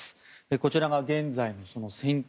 こちらが現在の戦況。